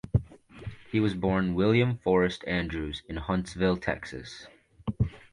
He was born William Forrest Andrews in Huntsville, Texas.